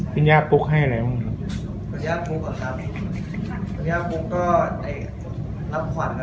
สัญญาปุ๊กให้อะไรสัญญาปุ๊กสัญญาปุ๊กก็เอ่ยรับขวัญแล้ว